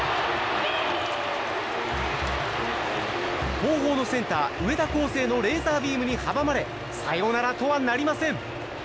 東邦のセンター上田耕晟のレーザービームに阻まれサヨナラとはなりません。